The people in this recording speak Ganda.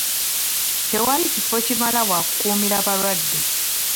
Tewali kifo kimala wakukuumira balwadde.